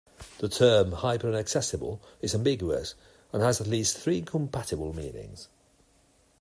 The term hyper-inaccessible is ambiguous and has at least three incompatible meanings.